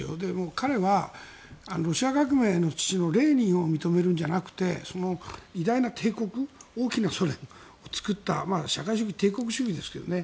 彼はロシア革命の父のレーニンを認めるんじゃなくて偉大な帝国大きなソ連を作った社会主義、帝国主義ですけどね。